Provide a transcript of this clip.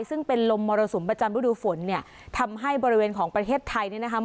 ซึ่งเป็นลมมรสุมประจำฤดูฝนเนี่ยทำให้บริเวณของประเทศไทยเนี่ยนะคะ